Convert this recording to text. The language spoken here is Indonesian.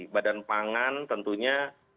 badan pangan tentunya